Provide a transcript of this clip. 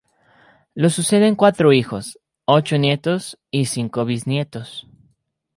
Lo suceden cuatro hijos, ocho nietos y cinco bisnietos.